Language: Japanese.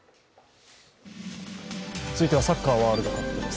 続いては、サッカーワールドカップです。